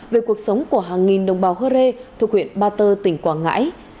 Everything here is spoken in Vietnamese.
về cuộc sống của hàng nghìn đồng bào hơ rê thuộc huyện ba tơ tỉnh quảng ngãi